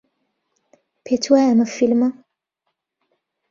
پێت وایە ئەمە فیلمە؟